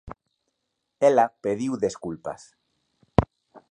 Ela pediu desculpas.